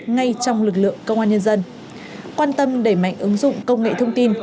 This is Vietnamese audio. ngay trong lực lượng công an nhân dân quan tâm đẩy mạnh ứng dụng công nghệ thông tin